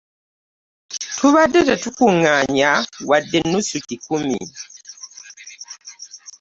Tubadde tetukuŋŋaanya wadde nnusu ekikumi.